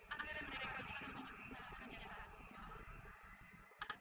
agar mereka bisa menyembunyikan jasa ku